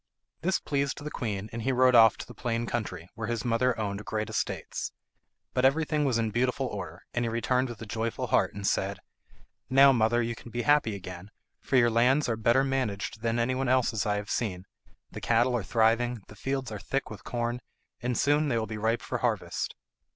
This pleased the queen, and he rode off to the plain country, where his mother owned great estates; but everything was in beautiful order, and he returned with a joyful heart, and said, "Now, mother, you can be happy again, for your lands are better managed than anyone else's I have seen. The cattle are thriving; the fields are thick with corn, and soon they will be ripe for harvest."